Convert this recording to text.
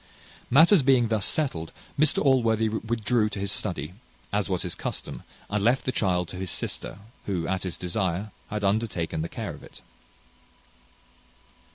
Matters being thus settled, Mr Allworthy withdrew to his study, as was his custom, and left the child to his sister, who, at his desire, had undertaken the care of it.